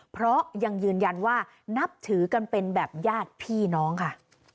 เพราะยังยืนยันว่านับถือกันเป็นแบบญาติพี่น้องค่ะ